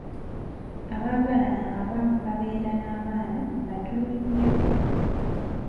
Abaagalana abamu babeera n'abaana batono nnyo.